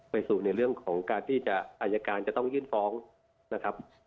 ไปสู่ในเรื่องของการที่อายการจะต้องยื่นฟ้องนะครับ